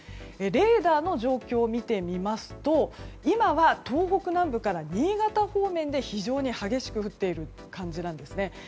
レーダーの状況を見てみますと今は東北南部から新潟方面で非常に激しく降っている感じなんですね。